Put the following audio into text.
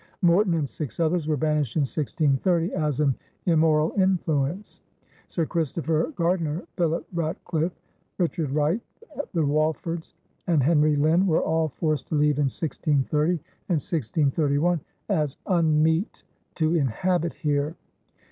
Morton and six others were banished in 1630 as an immoral influence. Sir Christopher Gardiner, Philip Ratcliffe, Richard Wright, the Walfords, and Henry Lynn were all forced to leave in 1630 and 1631 as "unmeete to inhabit here."